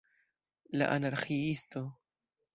La Anarĥiisto!